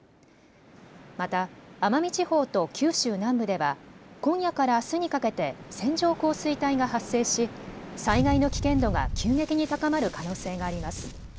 また奄美地方と九州南部では今夜からあすにかけて線状降水帯が発生し、災害の危険度が急激に高まる可能性があります。